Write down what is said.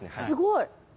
すごい。